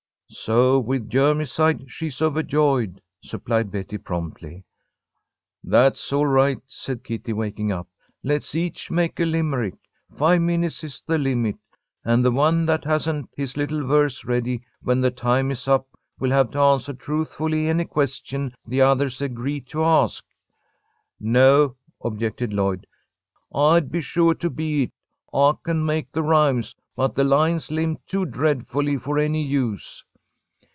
"So with germicide she's overjoyed," supplied Betty, promptly. "That's all right," said Kitty, waking up. "Let's each make a Limerick. Five minutes is the limit, and the one that hasn't his little verse ready when the time is up will have to answer truthfully any question the others agree to ask." "No," objected Lloyd. "I'd be suah to be it. I can make the rhymes, but the lines limp too dreadfully for any use."